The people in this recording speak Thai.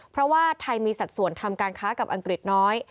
เพราะว่าไทยมีสัดส่วนทำการค้ากับอังกฤษน้อย